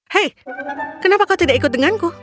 hei kenapa kau tidak ikut denganku